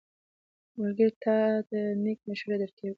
ملګری تا ته نېک مشورې درکوي.